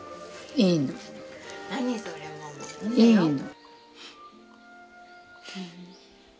いいの。